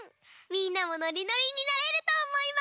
みんなもノリノリになれるとおもいます。